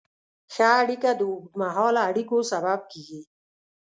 ښه اړیکه د اوږدمهاله اړیکو سبب کېږي.